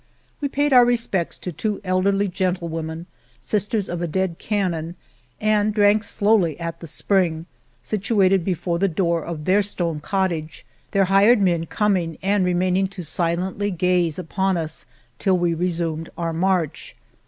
We paid our respects to two elderly gentlewomen, sisters of a dead canon, and The Morena drank slowly at the spring situated before the door of their stone cottage, their hired men coming and remaining to silently gaze upon us till we resumed our march.